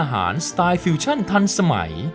สไตล์ฟิวชั่นทันสมัย